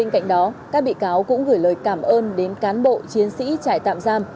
bên cạnh đó các bị cáo cũng gửi lời cảm ơn đến cán bộ chiến sĩ trải tạm giam